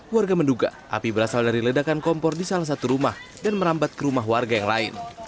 warga menduga api berasal dari ledakan kompor di salah satu rumah dan merambat ke rumah warga yang lain